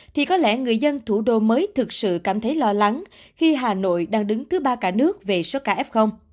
thì có lẽ người dân thủ đô mới thực sự cảm thấy lo lắng khi hà nội đang đứng thứ ba cả nước về số ca f